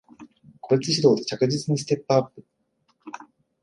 個別指導で着実にステップアップ